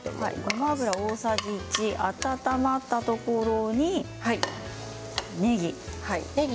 ごま油が温まったところにねぎ。